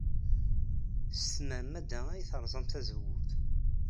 S tmeɛmada ay terẓamt tazewwut.